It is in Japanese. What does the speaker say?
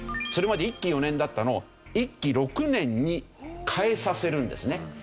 それまで１期４年だったのを１期６年に変えさせるんですね。